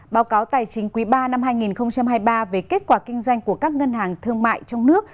báo cáo tài chính quý ba năm hai nghìn hai mươi ba về kết quả kinh doanh của các ngân hàng thương mại trong nước